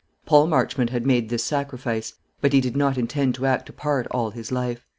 Paul Marchmont had made this sacrifice; but he did not intend to act a part all his life.